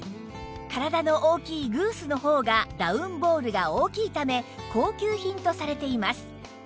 体の大きいグースのほうがダウンボールが大きいため高級品とされています